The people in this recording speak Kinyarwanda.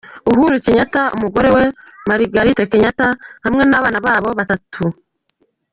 Uhuru Kenyatta, Umugore we Margaret Kenyatta hamwe n’abana babo batatu